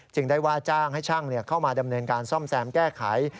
ได้ว่าจ้างให้ช่างเข้ามาดำเนินการซ่อมแซมแก้ไข